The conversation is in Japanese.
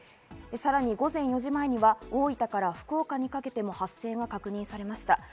さらに午前４時前には大分から福岡にかけても発生が確認されました。